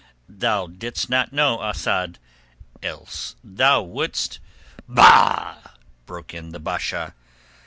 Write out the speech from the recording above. Thou didst not know, O Asad, else thou wouldst...." "Bah!" broke in the Basha.